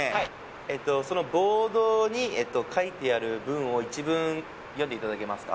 ええとそのボードに書いてある文を一文読んでいただけますか？